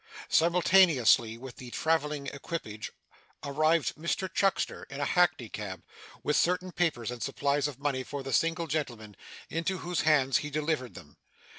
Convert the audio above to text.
Simultaneously with the travelling equipage, arrived Mr Chuckster in a hackney cab, with certain papers and supplies of money for the single gentleman, into whose hands he delivered them.